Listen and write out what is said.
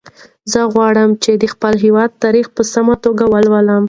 زه غواړم چې د خپل هېواد تاریخ په سمه توګه ولولم.